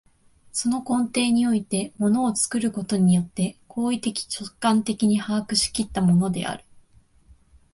その根底において物を作ることによって行為的直観的に把握し来ったものである。